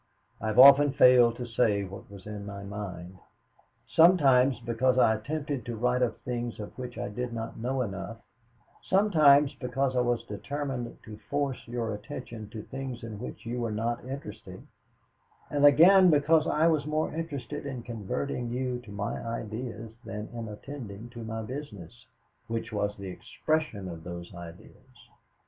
I have often failed to say what was in my mind sometimes because I attempted to write of things of which I did not know enough, sometimes because I was determined to force your attention to things in which you were not interested, and again because I was more interested in converting you to my ideas than in attending to my business, which was the expression of those ideas.